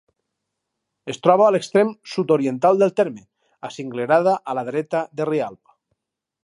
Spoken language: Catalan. Es troba a l'extrem sud-oriental del terme, acinglerada a la dreta del Rialb.